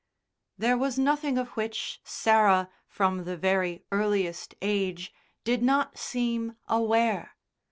There was nothing of which Sarah, from the very earliest age, did not seem aware.